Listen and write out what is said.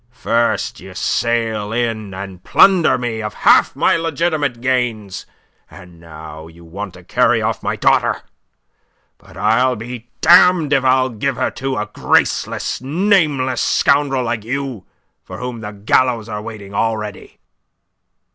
First you sail in and plunder me of half my legitimate gains; and now you want to carry off my daughter. But I'll be damned if I'll give her to a graceless, nameless scoundrel like you, for whom the gallows are waiting already."